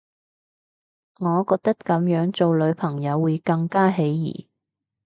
我覺得噉樣做女朋友會更加起疑